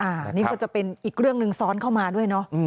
อันนี้ก็จะเป็นอีกเรื่องหนึ่งซ้อนเข้ามาด้วยเนอะ